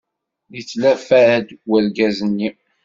Yetlafa-d urgaz-nni.